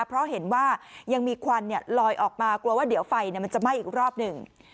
เพราะเห็นว่ายังมีควันลอยออกมากลัวว่าเดี๋ยวไฟมันจะไหม้อีกรอบหนึ่ง